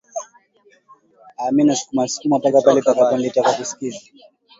yao na kutambua sifa nzuri zilizopo katika